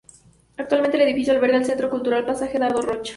Actualmente el edificio alberga el Centro Cultural Pasaje Dardo Rocha.